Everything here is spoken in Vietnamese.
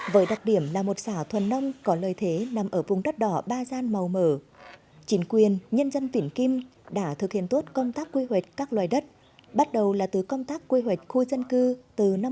với đặc điểm là một xã thuần nông có lợi thế nằm ở vùng đất đỏ ba gian màu mở chính quyền nhân dân vĩnh kim đã thực hiện tốt công tác quy hoạch các loài đất bắt đầu là từ công tác quy hoạch khu dân cư từ năm một nghìn chín trăm bảy mươi ba